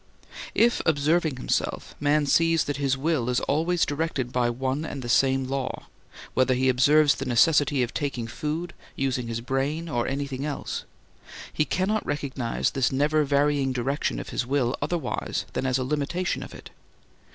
If, observing himself, man sees that his will is always directed by one and the same law (whether he observes the necessity of taking food, using his brain, or anything else) he cannot recognize this never varying direction of his will otherwise than as a limitation of it.